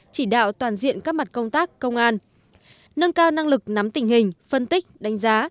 chỉ đạo toàn diện các mặt công tác công an nâng cao năng lực nắm tình hình phân tích đánh giá